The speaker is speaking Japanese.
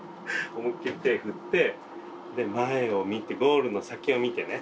思いっきり手振って前を見てゴールの先を見てね。